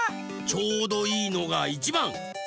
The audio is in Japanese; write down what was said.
ちょうどいいのがいちばん。